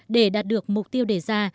để đạt được mục tiêu đề ra